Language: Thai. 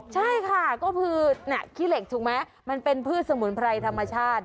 ใช่ค่ะก็คือขี้เหล็กถูกไหมมันเป็นพืชสมุนไพรธรรมชาติ